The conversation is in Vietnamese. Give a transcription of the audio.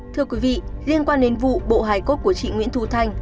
thưa quý vị liên quan đến vụ bộ hài cốt của chị nguyễn thu thanh